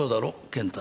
健太。